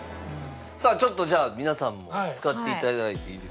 さあちょっとじゃあ皆さんも使っていただいていいですか？